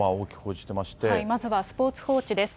まずはスポーツ報知です。